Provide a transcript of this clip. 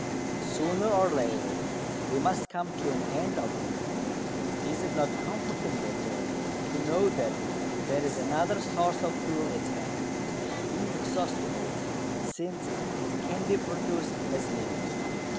Sooner or later we must come to an end of them. Is it not comforting, therefore, to know that there is another source of fuel at hand, inexhaustible, since it can be produced as needed.